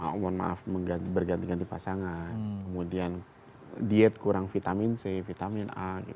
mohon maaf berganti ganti pasangan kemudian diet kurang vitamin c vitamin a